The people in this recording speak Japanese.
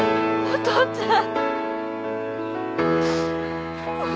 お父ちゃん！